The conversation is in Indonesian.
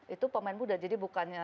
itu pemain muda jadi bukannya